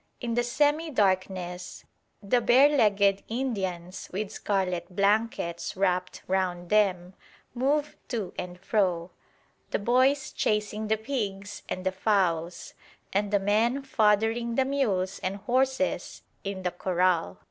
In the semi darkness the bare legged Indians with scarlet blankets wrapped round them move to and fro; the boys chasing the pigs and the fowls, and the men foddering the mules and horses in the corral.